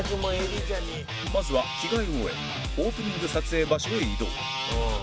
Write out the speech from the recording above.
まずは着替えを終えオープニング撮影場所へ移動